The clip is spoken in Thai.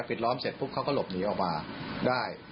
ปิดล้อมเสร็จเขาก็หลบหนีออกมาได้